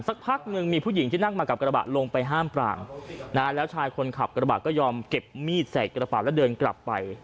สักพักหนึ่งมีผู้หญิงที่นั่งมากับกระบะลงไปห้ามปรามนะฮะแล้วชายคนขับกระบะก็ยอมเก็บมีดใส่กระบาดแล้วเดินกลับไป